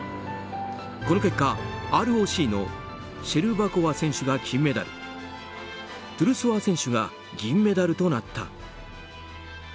この結果、ＲＯＣのシェルバコワ選手が金メダルトゥルソワ選手が銀メダルとなった。